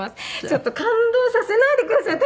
ちょっと感動させないください